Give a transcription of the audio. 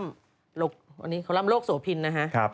อันนี้ดูหน้า๗นะครับคอล๒๐๒๓นะฮะ